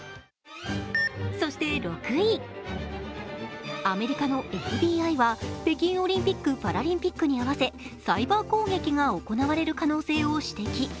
そして６位、アメリカのＦＢＩは北京オリンピック・パラリンピックに合わせサイバー攻撃が行われる可能性を指摘。